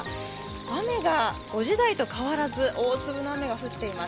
雨が５時台と変わらず大粒の雨が降っています。